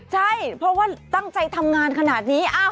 ใช่เพราะว่าตั้งใจทำงานขนาดนี้